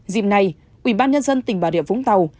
dịp này ubnd tỉnh bà rịa vũng tàu